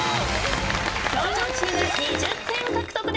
教場チーム２０点獲得です。